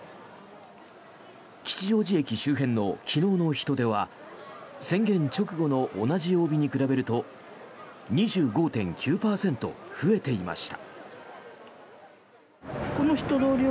吉祥寺駅周辺の昨日の人出は宣言直後の同じ曜日に比べると２５．９％増えていました。